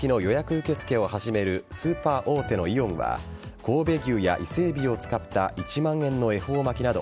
受け付けを始めるスーパー大手のイオンは神戸牛やイセエビを使った１万円の恵方巻きなど